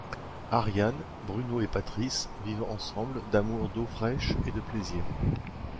Ariane, Bruno et Patrice vivent ensemble d’amour, d’eau fraîche et de plaisir.